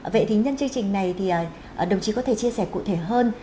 vậy thì nhân chương trình này thì đồng chí có thể chia sẻ cụ thể hơn